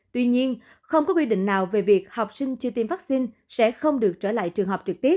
tuy nhiên không có quy định nào về việc học sinh chưa tiêm vaccine sẽ không được trở lại trường học trực tiếp